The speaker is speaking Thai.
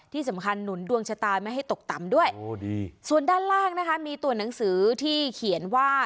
ที่สำคัญหนุนดวงชะตาไม่ให้ตกต่ำด้วยส่วนด้านล่างนะคะมีตัวหนังสือที่เขียนว่า